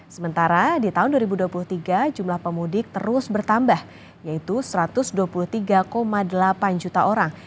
sementara di tahun dua ribu dua puluh tiga jumlah pemudik terus bertambah yaitu satu ratus dua puluh tiga delapan juta orang